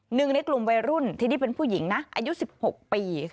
หนึ่งในกลุ่มวัยรุ่นที่นี่เป็นผู้หญิงนะอายุ๑๖ปี